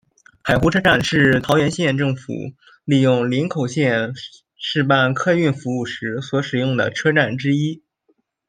海湖车站是桃园县政府利用林口线试办客运服务时所使用的车站之一。